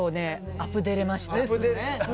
アプデれました。